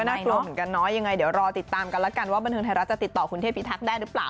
น่ากลัวเหมือนกันเนาะยังไงเดี๋ยวรอติดตามกันแล้วกันว่าบันเทิงไทยรัฐจะติดต่อคุณเทพิทักษ์ได้หรือเปล่า